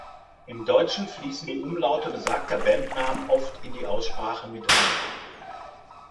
Im Deutschen fließen die Umlaute besagter Bandnamen oft in die Aussprache mit ein.